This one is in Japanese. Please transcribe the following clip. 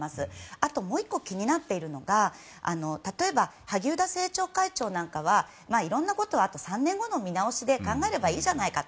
あともう１個気になっているのが例えば萩生田政調会長なんかはいろんなことあと３年後の見直しで考えればいいじゃないかと。